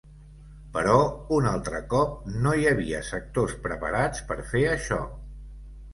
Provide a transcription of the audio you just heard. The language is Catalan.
Però, un altre cop, no hi havia sectors preparats per fer això.